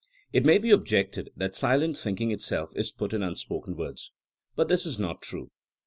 It may be objected that silent thinking itself is put in unspoken words. But this is not true.